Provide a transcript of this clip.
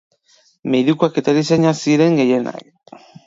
Medikuak eta erizainak ziren gehienak.